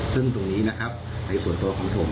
ซึ่งตรงนี้นะครับในส่วนตัวของผม